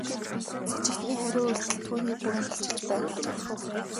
Сэжигтний хариу үйлдэл түүнийг бүрэн илчилж байна гэжээ.